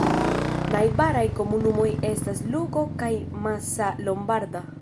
Najbaraj komunumoj estas Lugo kaj Massa Lombarda.